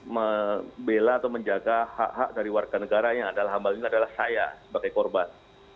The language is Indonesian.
membela atau menjaga hak hak dari warga negara yang adalah saya sebagai korban